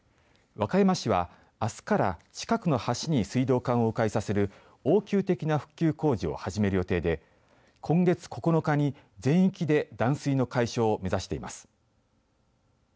和歌山市は、あすから近くの橋に水道管をう回させる応急的な復旧工事を始める予定で今月９日に全域で断水の解消を目指しています。